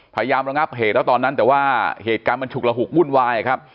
ระงับเหตุแล้วตอนนั้นแต่ว่าเหตุการณ์มันฉุกระหุกวุ่นวายครับ